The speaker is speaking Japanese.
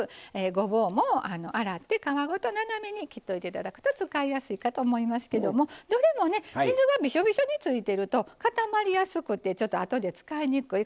ごぼうも洗って皮ごと斜めに切っといていただくと使いやすいかと思いますけどもどれもね水がびしょびしょについてると固まりやすくてちょっとあとで使いにくい。